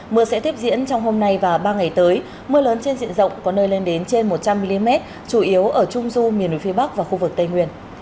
mưa sẽ tiếp diễn trong hôm nay và ba ngày tới mưa lớn trên diện rộng có nơi lên đến trên một trăm linh mm chủ yếu ở trung du miền núi phía bắc và khu vực tây nguyên